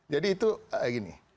jadi itu gini